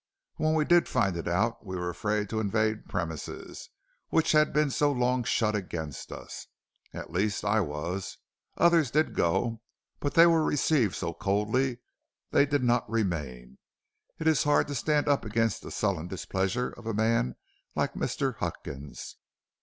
When we did find it out we were afraid to invade premises which had been so long shut against us; at least I was; others did go, but they were received so coldly they did not remain; it is hard to stand up against the sullen displeasure of a man like Mr. Huckins.'